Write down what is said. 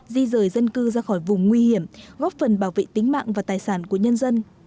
di rời dân cư ra khỏi vùng nguy hiểm góp phần bảo vệ tính mạng và tài sản của nhân dân